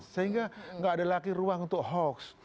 sehingga nggak ada lagi ruang untuk hoax